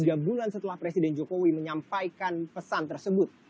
tiga bulan setelah presiden jokowi menyampaikan pesan tersebut